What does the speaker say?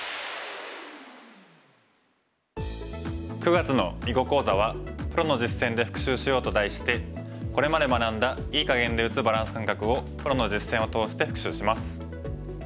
９月の囲碁講座は「プロの実戦で復習しよう」と題してこれまで学んだ“いい”かげんで打つバランス感覚をプロの実戦を通して復習します。